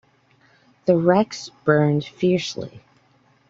The wrecks burned fiercely.